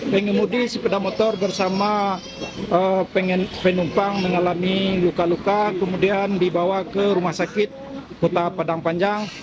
pengumpang mengalami luka luka kemudian dibawa ke rumah sakit kota padang panjang